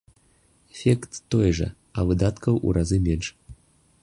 Эфект той жа, а выдаткаў у разы менш.